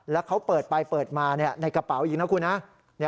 แล้วเขาเปิดไปเปิดมาในกระเป๋าอีกนะคุณนะ